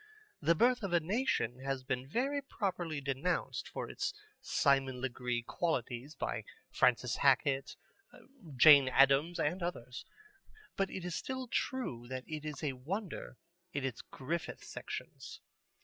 The Birth of a Nation has been very properly denounced for its Simon Legree qualities by Francis Hackett, Jane Addams, and others. But it is still true that it is a wonder in its Griffith sections.